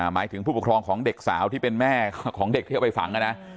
หมายถึงผู้ปกครองของเด็กสาวที่เป็นแม่ของเด็กที่เอาไปฝังนะ